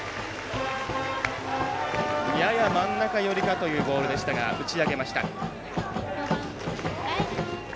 やや真ん中寄りかというボールでしたが打ち上げました。